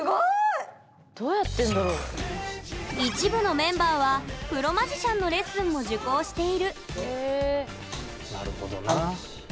一部のメンバーはプロマジシャンのレッスンも受講しているなるほどな。